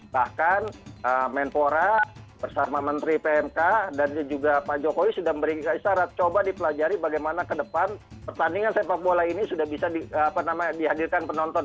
bahkan menpora bersama menteri pmk dan juga pak jokowi sudah memberikan syarat coba dipelajari bagaimana ke depan pertandingan sepak bola ini sudah bisa dihadirkan penonton